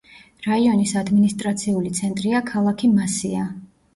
რაიონის ადმინისტრაციული ცენტრია ქალაქი მასია.